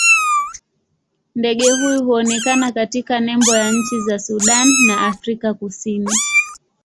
Ndege huyu huonekana katika nembo ya nchi za Sudan na Afrika Kusini.